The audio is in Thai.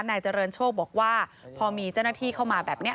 นายเจริญโชคบอกว่าพอมีเจ้าหน้าที่เข้ามาแบบนี้